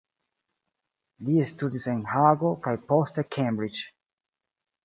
Li studis en Hago kaj poste Cambridge.